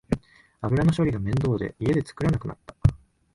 油の処理が面倒で家で作らなくなった